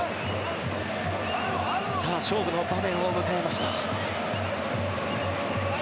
さあ勝負の場面を迎えました。